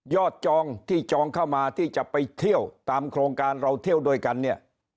จองที่จองเข้ามาที่จะไปเที่ยวตามโครงการเราเที่ยวด้วยกันเนี่ย